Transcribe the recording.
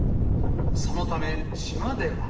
そのため、島では。